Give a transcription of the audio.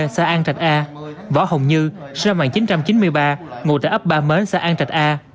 xã an trạch a võ hồng như sơ mạng chín trăm chín mươi ba ngụ trả ấp ba mến xã an trạch a